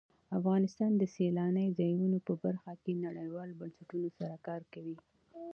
افغانستان د سیلانی ځایونه په برخه کې نړیوالو بنسټونو سره کار کوي.